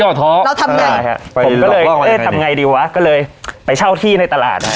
เราทำไงเออทำไงดีวะก็เลยไปเช่าที่ในตลาด